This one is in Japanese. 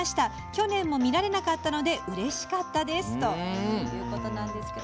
去年も見られなかったのでうれしかったです」ということです。